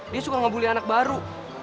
dia suka ngebully anak baru